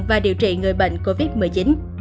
và điều trị người bệnh covid một mươi chín